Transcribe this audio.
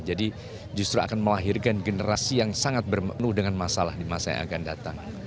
jadi justru akan melahirkan generasi yang sangat bermenuh dengan masalah di masa yang akan datang